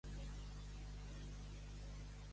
A les últimes.